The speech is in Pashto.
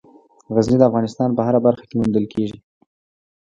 غزني د افغانستان په هره برخه کې موندل کېږي.